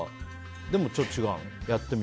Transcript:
でも、ちょっと違うの？